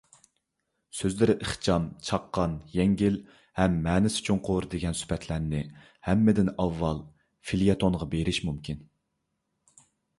سۆزلىرى ئىخچام، چاققان، يەڭگىل ھەم مەنىسى چوڭقۇر دېگەن سۈپەتلەرنى ھەممىدىن ئاۋۋال فېليەتونغا بېرىش مۇمكىن.